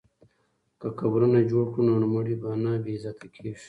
که قبرونه جوړ کړو نو مړي نه بې عزته کیږي.